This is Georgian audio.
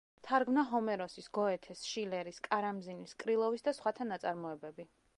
თარგმნა ჰომეროსის, გოეთეს, შილერის, კარამზინის, კრილოვის და სხვათა ნაწარმოებები.